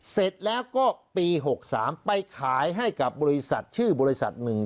เสร็จแล้วก็ปี๖๓ไปขายให้กับบริษัทชื่อบริษัทหนึ่ง